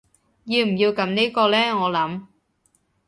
要唔要撳呢個呢我諗